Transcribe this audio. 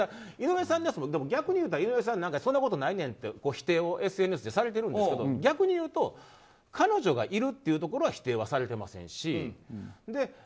井上さんのやつも、逆に言うたらそんなことないねんって否定をＳＮＳでされているんですが逆に言うと彼女がいるというところは否定はされてませんし。